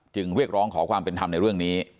เรียกร้องขอความเป็นธรรมในเรื่องนี้